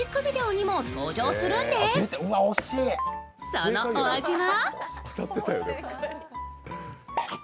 そのお味は？